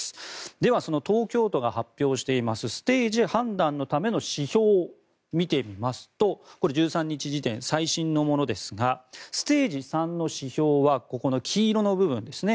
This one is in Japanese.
では、その東京都が発表していますステージ判断のための指標を見てみますと１３日時点最新のものですがステージ３の指標はここの黄色の部分ですね。